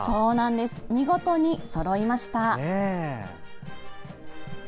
見事にそろいました。